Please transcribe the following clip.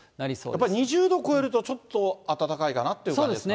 やっぱり、２０度超えると、ちょっと暖かいかなっていう感じそうですね。